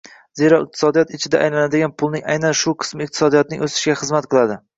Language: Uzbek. Zero iqtisodiyot ichida aylanadigan pulning aynan shu qismi iqtisodiyotning o‘sishiga xizmat qiladi.